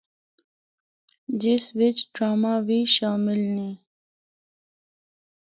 جس وچ ڈرامہ وی شامل نے۔